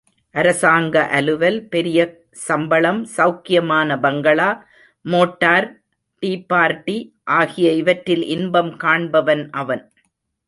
அரசாங்க அலுவல், பெரிய சம்பளம், செளக்கியமான பங்களா, மோட்டார், டீபார்ட்டி ஆகிய இவற்றில் இன்பம் காண்பவன் அவன்.